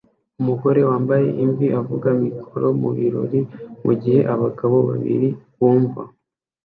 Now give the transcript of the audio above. Umugore wambaye imvi avuga mikoro mu birori mugihe abagabo babiri bumva